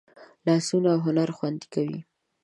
لاسونه هنر خوندي کوي